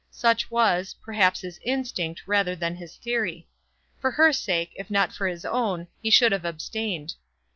Such was perhaps his instinct rather than his theory. For her sake, if not for his own, he should have abstained.